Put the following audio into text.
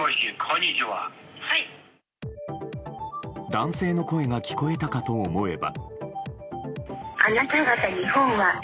男性の声が聞こえたかと思えば。